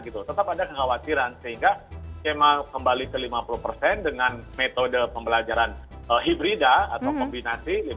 tetap ada kekhawatiran sehingga skema kembali ke lima puluh persen dengan metode pembelajaran hibrida atau kombinasi